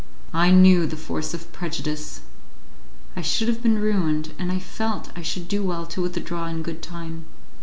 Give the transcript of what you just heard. I knew the force of prejudice! I should have been ruined, and I felt I should do well to withdraw in good time.